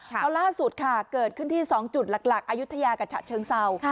แล้วล่าสุดค่ะเกิดขึ้นที่๒จุดหลักอายุทยากับฉะเชิงเศร้า